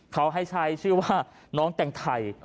เขาให้ใช้ชื่อว่าน้องแต่งไทย